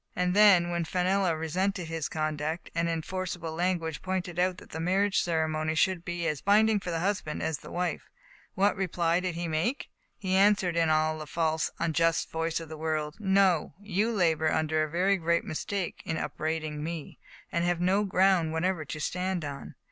And then, when Fenella resented his conduct, and in forcible language pointed out that the marriage ceremony should be as binding for the husband as the wife, what reply did he make ? He answered, in the false, unjust voice of the world :" No ; you labor under a very great mistake in upbraiding me, and have no ground whatever to stand upon.